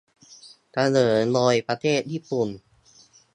เสนอโดยประเทศญี่ปุ่น